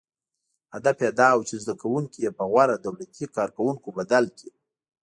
• هدف یې دا و، چې زدهکوونکي یې په غوره دولتي کارکوونکو بدل کړي.